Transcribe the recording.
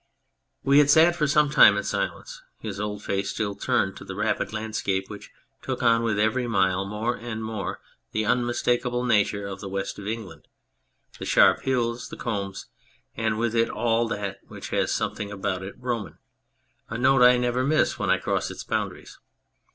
We had sat for some time in silence, his old face still turned to the rapid landscape, which took on with every mile more and more the unmistakable nature of the West of England, the sharp hills, the combes, and with it all that which has something about it Roman, a note I never miss when I cross its boundaries.